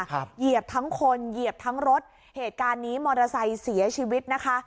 เหยียบทั้งคนเหยียบทั้งรถเหตุการณ์นี้มอเตอร์ไซค์เสียชีวิตนะคะ